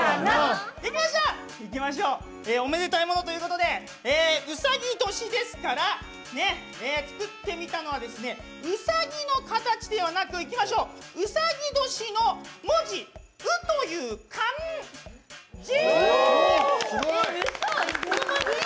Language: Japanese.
おめでたいものということでうさぎ年ですから作ってみたのはうさぎの形ではなくうさぎ年の文字卯という漢字！